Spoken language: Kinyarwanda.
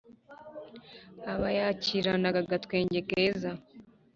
abayakirana agatwenge keza